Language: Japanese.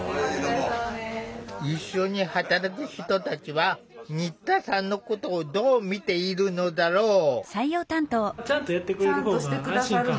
一緒に働く人たちは新田さんのことをどう見ているのだろう？